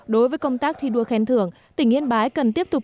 đối với công tác thi đua khen thưởng tỉnh yên bái cần tiếp tục